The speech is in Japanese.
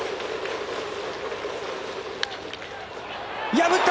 破った！